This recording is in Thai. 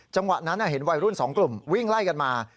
จังหวะนั้นเห็นวัยรุ่น๒กลุ่มวิ่งไล่กันมา